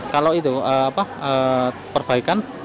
kalau itu apa perbaikan